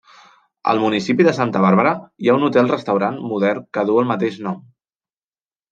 Al municipi de Santa Bàrbara hi ha un hotel-restaurant modern que duu el mateix nom.